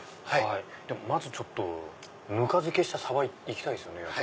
まずぬか漬けしたサバいきたいですね。